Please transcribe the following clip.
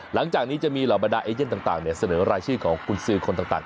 หลังจากนี้จะมีเหล่าบรรดาเอเย่นต่างเสนอรายชื่อของกุญสือคนต่าง